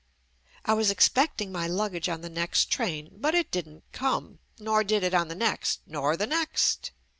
I was expect ing my luggage on the next train, but it didn't come, nor did it on the next, nor the next.